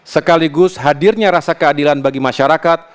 sekaligus hadirnya rasa keadilan bagi masyarakat